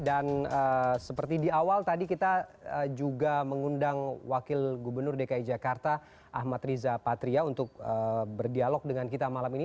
dan seperti di awal tadi kita juga mengundang wakil gubernur dki jakarta ahmad riza patria untuk berdialog dengan kita malam ini